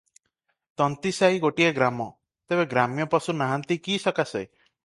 ତନ୍ତୀସାଇ ଗୋଟିଏ ଗ୍ରାମ, ତେବେ ଗ୍ରାମ୍ୟ ପଶୁ ନାହାଁନ୍ତି କି ସକାଶେ?